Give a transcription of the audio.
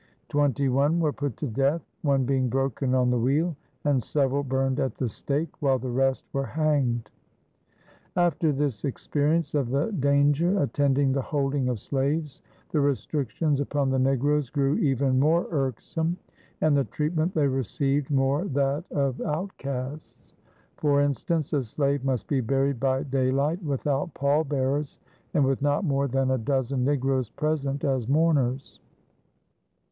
Twenty one were put to death, one being broken on the wheel and several burned at the stake, while the rest were hanged. After this experience of the danger attending the holding of slaves, the restrictions upon the negroes grew even more irksome and the treatment they received more that of outcasts. For instance, a slave must be buried by daylight, without pallbearers and with not more than a dozen negroes present as mourners.